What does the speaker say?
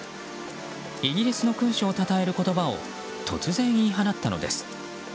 イギリスの君主をたたえる言葉を突然、言い放ったのです。